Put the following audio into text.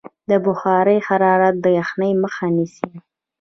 د بخارۍ حرارت د یخنۍ مخه نیسي.